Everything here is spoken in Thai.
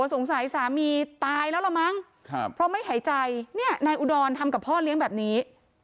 สงสัยสามีตายแล้วล่ะมั้งครับเพราะไม่หายใจเนี่ยนายอุดรทำกับพ่อเลี้ยงแบบนี้